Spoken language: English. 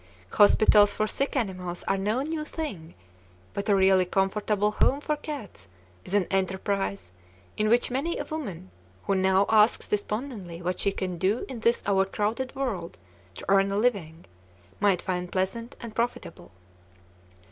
Hospitals for sick animals are no new thing, but a really comfortable home for cats is an enterprise in which many a woman who now asks despondently what she can do in this overcrowded world to earn a living, might find pleasant and profitable.